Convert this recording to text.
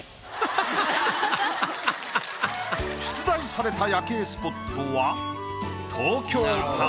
出題された夜景スポットは。